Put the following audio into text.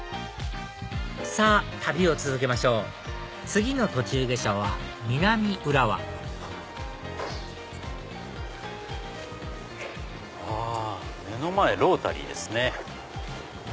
さぁ旅を続けましょう次の途中下車は南浦和うわ目の前ロータリーですね。